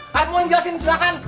kamu yang jelasin silahkan